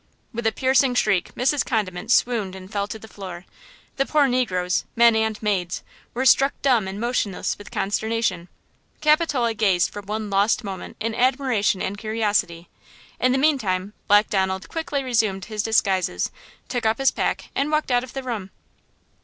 With a piercing shriek, Mrs. Condiment swooned and fell to the floor; the poor negroes, men and maids, were struck dumb and motionless with consternation; Capitola gazed for one lost moment in admiration and curiosity; in the meantime Black Donald quickly resumed his disguises, took up his pack and walked out of the room.